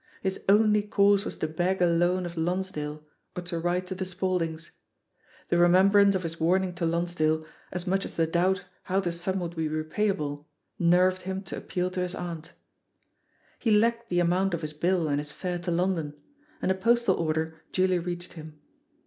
His only course was to beg a loan of Lonsdale or to write to the Spauldings. The remembrance of his warning to Lonsdale, as much as the doubt how the sum would be repayable, nerved him to appeal to his aunt. He lacked the amount of his bill and his fare to London — ^and a postal order duly reached him.